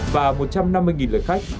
và một trăm năm mươi lượt khách